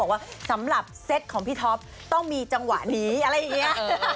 บอกว่าสำหรับเซตของพี่ท็อปต้องมีจังหวะนี้อะไรอย่างนี้